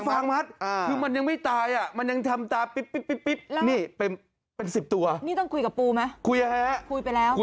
แต่ว่าคุณยายต้องยอมรับในตัวเองด้วยนะคะ